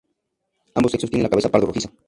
Ambos sexos tienen la cabeza pardo rojiza.